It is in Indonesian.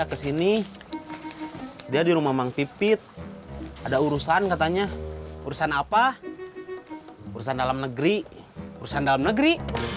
kenapa malaikatmu tetap belajar ini